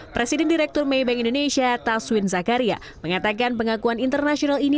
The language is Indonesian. presiden direktur maybank indonesia taswin zakaria mengatakan pengakuan internasional ini